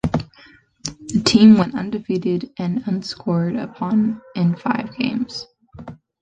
The team went undefeated and unscored upon in five games.